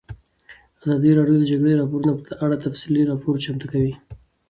ازادي راډیو د د جګړې راپورونه په اړه تفصیلي راپور چمتو کړی.